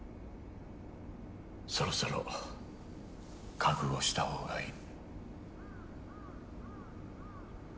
そろそろ覚悟した方がいい。